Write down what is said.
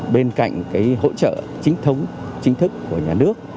bên cạnh cái hỗ trợ chính thống chính thức của nhà nước